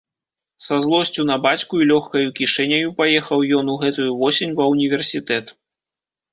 Са злосцю на бацьку і лёгкаю кішэняю паехаў ён у гэтую восень ва універсітэт.